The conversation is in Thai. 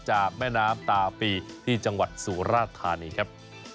จากแม่น้ำตาปีที่จังหวัดสุราธานีครับ